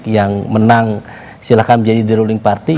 yang menang silahkan menjadi the ruling party